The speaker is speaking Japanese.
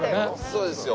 そうですよ。